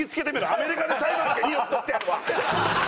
アメリカで裁判して２億取ってやるわ！